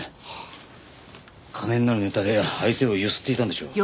金になるネタで相手をゆすっていたんでしょう。